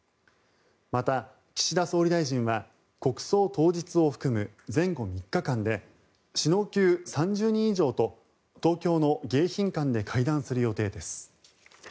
また、岸田総理大臣は国葬当日を含む前後３日間で首脳級３０人以上と東京の迎賓館で会談する予定です。